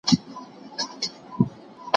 تېره يوه نيمه لسيزه زموږ ټولنه پرمختګ وکړ.